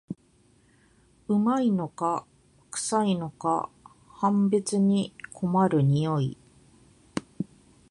旨いのかくさいのか判別に困る匂い